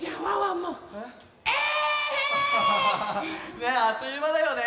ねあっというまだよね。